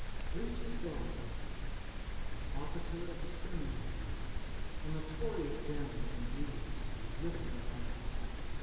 This was Dólokhov, an officer of the Semënov regiment, a notorious gambler and duelist, who was living with Anatole.